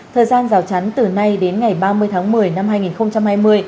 thời gian rào chắn từ nay đến ngày ba mươi tháng một mươi năm hai nghìn hai mươi